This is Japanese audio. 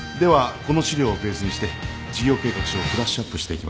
この資料をベースにして事業計画書をブラッシュアップしていきましょう。